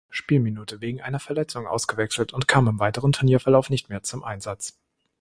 Spielminute wegen einer Verletzung ausgewechselt und kam im weiteren Turnierverlauf nicht mehr zum Einsatz.